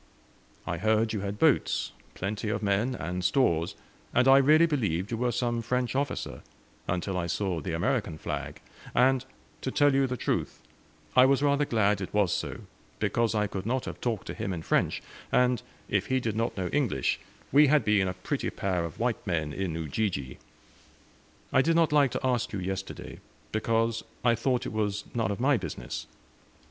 I heard you had boats, plenty of men, and stores, and I really believed you were some French officer, until I saw the American flag; and, to tell you the truth, I was rather glad it was so, because I could not have talked to him in French; and if he did not know English, we had been a pretty pair of white men in Ujiji! I did not like to ask you yesterday, because I thought it was none of my business."